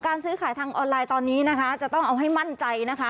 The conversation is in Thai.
ซื้อขายทางออนไลน์ตอนนี้นะคะจะต้องเอาให้มั่นใจนะคะ